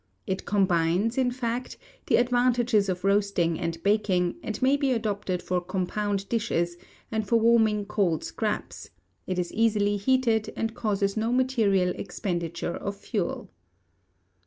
It combines, in fact, the advantages of roasting and baking, and may be adopted for compound dishes, and for warming cold scraps: it is easily heated, and causes no material expenditure of fuel.